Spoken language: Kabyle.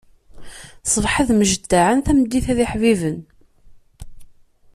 Ṣṣbeḥ ad mjeddaɛen, tameddit d iḥbiben.